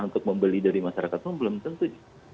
untuk membeli dari masyarakat pun belum tentu